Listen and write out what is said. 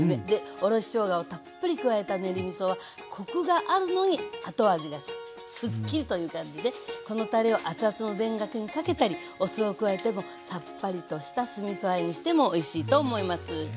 おろししょうがをたっぷり加えた練りみそはコクがあるのに後味がすっきりという感じでこのたれをアツアツの田楽にかけたりお酢を加えてもさっぱりとした酢みそあえにしてもおいしいと思います。